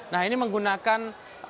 nah ini menggunakan